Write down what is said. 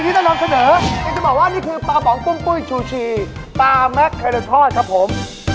ที่ท่านนำเสนอก็จะบอกว่านี่คือปลาหมองปุ้มปุ้ยซูชีปลามัสเคร็ดทอดครับผม